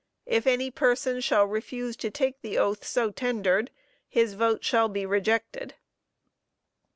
If any person shall refuse to take the oath so tendered, his vote shall be rejected."